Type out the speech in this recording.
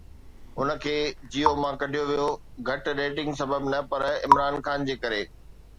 هن کي جيو مان ڪڍيو ويو گهٽ ريٽنگ سبب نه پر عمران خان جي ڪري